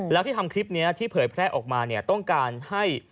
แล้วที่ทำคลิปนี้ที่เผยแพร่ออกมาเนี่ยต้องการให้